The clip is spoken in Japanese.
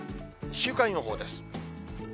週間予報です。